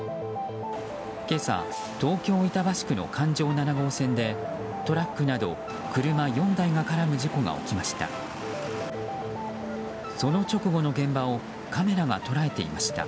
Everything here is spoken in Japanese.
今朝、東京・板橋区の環状７号線でトラックなど車４台が絡む事故が起きました。